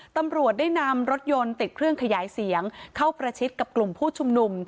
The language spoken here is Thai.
ตำรวจได้นำรถยนต์ติดเครื่องขยายเสียงเข้าประชิดกับกลุ่มผู้ชุมนุม